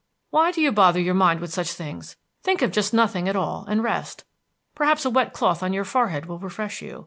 "Why do you bother your mind with such things? Think of just nothing at all, and rest. Perhaps a wet cloth on your forehead will refresh you.